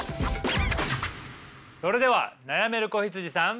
それでは悩める子羊さん。